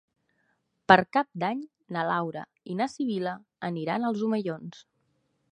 Per Cap d'Any na Laura i na Sibil·la aniran als Omellons.